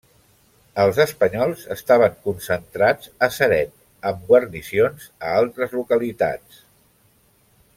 Els espanyols estaven concentrats a Ceret, amb guarnicions a altres localitats.